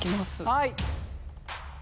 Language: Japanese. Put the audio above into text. はい。